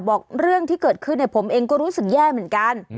บอกเรื่องที่เกิดขึ้นผมเองก็รู้สึกแย่เหมือนกัน